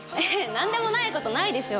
何でもないことないでしょ。